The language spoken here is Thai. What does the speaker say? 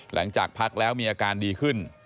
หลังจากพักแล้วมีอาการดีขึ้น